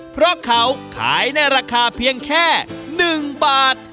เพราะเขาขายในราคาเพียงแค่๑บาท